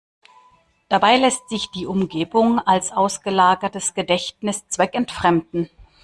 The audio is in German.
Dabei lässt sich die Umgebung als ausgelagertes Gedächtnis zweckentfremden.